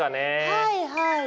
はいはい。